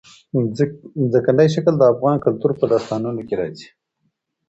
ځمکنی شکل د افغان کلتور په داستانونو کې راځي.